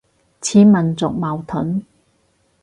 似民族矛盾